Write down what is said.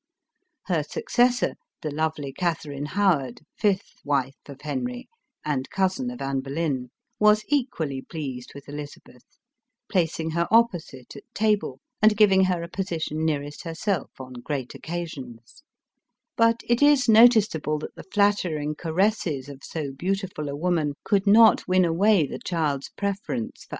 Her successor, the lovely Katherine Howard, fifth wife of Henry, and cousin of Anne Boleyn, was equally pleased with Eliz abeth, placing her opposite at table and giving her a position nearest herself on great occasions; but it is noticeable that the flattering caresses of BO beautiful a woman could not win away the child's preference for 278 ELIZABETH OF ENGLAND.